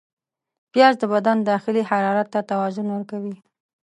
پیاز د بدن داخلي حرارت ته توازن ورکوي